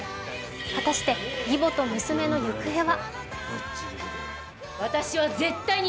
果たして義母と娘の行方は。